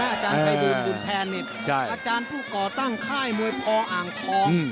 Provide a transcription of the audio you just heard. ในนี้อาจารย์ใใบดื่มดูนแทนนี่ใช่อาจารย์ผู้ก่อตั้งค่ายมวยพออ่างทอง